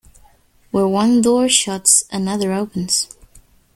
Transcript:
Where one door shuts, another opens.